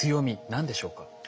何でしょうか？